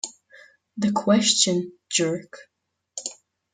The question, jerk!